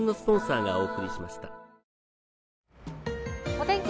お天気